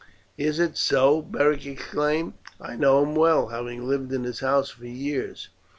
'" "Is it so?" Beric exclaimed. "I know him well, having lived in his house for years.